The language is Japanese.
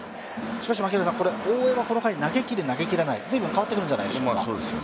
大江はこの回投げきる、投げきらない、随分変わってくるんじゃないでしょうか？